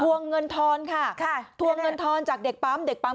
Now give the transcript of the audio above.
วงเงินทอนค่ะค่ะทวงเงินทอนจากเด็กปั๊มเด็กปั๊ม